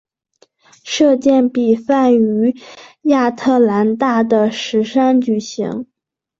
射箭比赛于亚特兰大的石山举行。